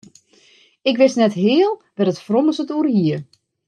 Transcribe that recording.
Ik wist net heal wêr't it frommes it oer hie.